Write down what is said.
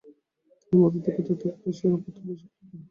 তিনি মধ্য তিব্বত যাত্রা করে সে-রা বৌদ্ধবিহারে শিক্ষালাভ করেন।